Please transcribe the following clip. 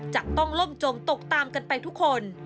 จะต้องล่มจมตกตามกันไปทุกคน